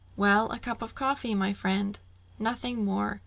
"Well a cup of coffee, my friend?" "Nothing more."